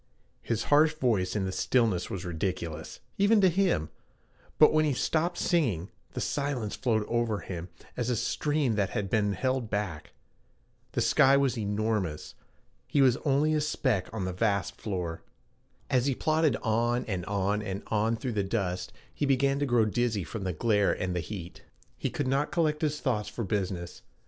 His harsh voice in the stillness was ridiculous, even to him, but when he stopped singing, the silence flowed over him as a stream that had been held back. The sky was enormous; he was only a speck on the vast floor. As he plodded on and on and on through the dust, he began to grow dizzy from the glare and the heat. He could not collect his thoughts for business.